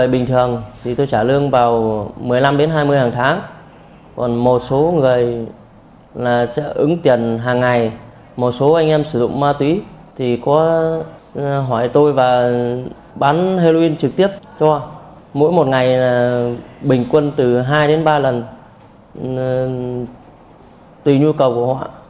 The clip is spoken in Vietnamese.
bán heroin trực tiếp cho mỗi một ngày bình quân từ hai đến ba lần tùy nhu cầu của họ